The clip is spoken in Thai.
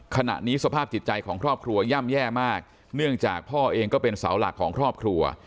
ขณะนี้สภาพจิตใจของครอบครัวย่ำแย่มากเนื่องจากพ่อเองก็เป็นเสาหลักของครอบครัว